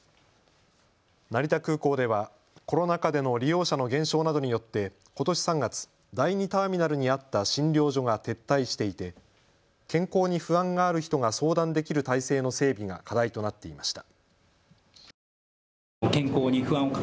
成田空港ではコロナ禍での利用者の減少などによってことし３月、第２ターミナルにあった診療所が撤退していて健康に不安がある人が相談できる体制の整備が課題となっていました。